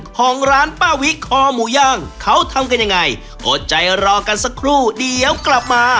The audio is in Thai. ของร้านป้าวิคอหมูย่างเขาทำกันยังไงอดใจรอกันสักครู่เดี๋ยวกลับมา